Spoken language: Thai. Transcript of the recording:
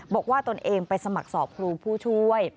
ตนเองไปสมัครสอบครูผู้ช่วย